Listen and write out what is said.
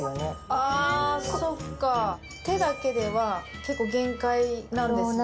あそっか手だけでは結構限界なんですね。